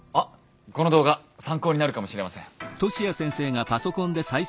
この動画参考になるかもしれません。